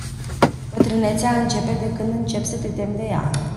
Bătrânețea începe de când începi să te temi de ea.